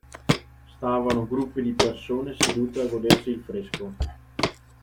Stavano gruppi di persone sedute a godersi il fresco.